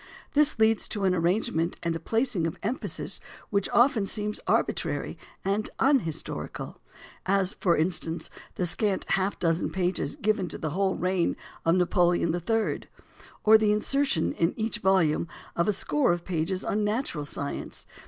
This leads to an arrangement and a placing of emphasis which often seems arbitrary and unhistorical, as, for instance, the scant half dozen pages given to the whole reign of Napoleon III, or the insertion in each volume of a score of pages on natural science.